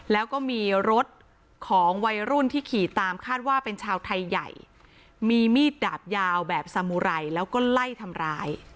แล้วก็มีรถของวัยรุ่นที่ขี่ตามคาดว่าเป็นชาวไทยใหญ่มีมีดดาบยาวแบบสมุไรแล้วก็ไล่ทำร้าย